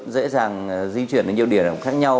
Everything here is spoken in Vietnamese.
dễ dàng di chuyển đến nhiều địa điểm khác nhau